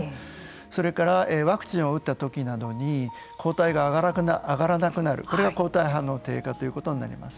それから、ワクチンを打った時などに抗体が上がらなくなるこれが抗体反応低下ということになります。